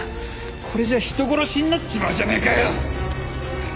これじゃあ人殺しになっちまうじゃねえかよ！